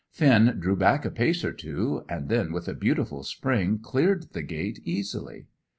Finn drew back a pace or two, and then, with a beautiful spring, cleared the gate easily.